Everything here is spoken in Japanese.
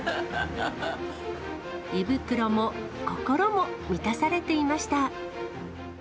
胃袋も、心も満たされていました。